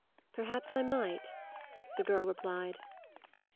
"Perhaps I might," the girl replied.